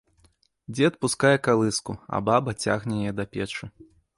Дзед пускае калыску, а баба цягне яе да печы.